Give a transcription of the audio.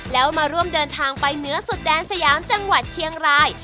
แล้วมาร่วมเดินทางไปเหนือสุดแดนสยามจังหวัดเชียงราย